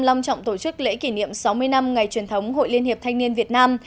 long trọng tổ chức lễ kỷ niệm sáu mươi năm ngày truyền thống hội liên hiệp thanh niên việt nam